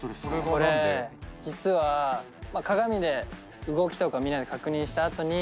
これ実は鏡で動きとかみんなで確認した後に。